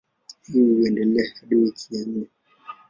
Hii huendelea hadi wiki ya nne.